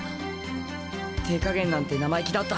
手加減なんて生意気だった。